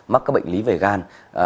mắc các bệnh lý về gan